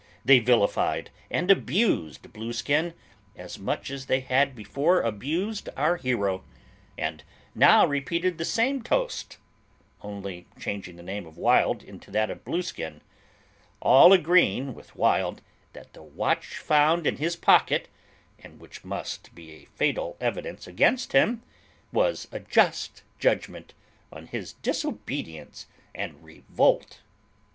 They vilified and abused Blueskin, as much as they had before abused our hero, and now repeated the same toast, only changing the name of Wild into that of Blueskin; all agreeing with Wild that the watch found in his pocket, and which must be a fatal evidence against him, was a just judgment on his disobedience and revolt.